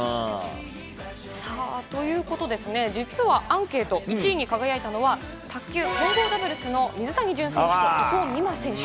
さあ、ということで、実はアンケート１位に輝いたのは、卓球混合ダブルスの水谷選手と伊藤美誠選手。